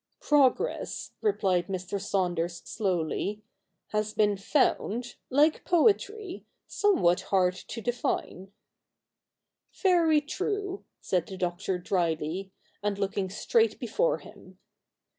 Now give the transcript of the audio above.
' Progress,' replied Mr. Saunders slowly, ' has been found, Hke poetry, somewhat hard to define.' ' Very true,' said the Doctor drily, and looking straight before him.